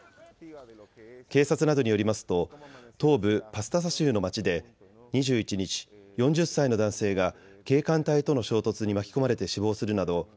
警察などによりますと東部パスタサ州の町で２１日４０歳の男性が警官隊との衝突に巻き込まれて死亡するなど